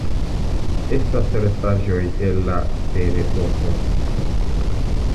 Estas restaĵoj el la Ferepoko.